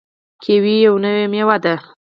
کیوي یوه نوې میوه ده.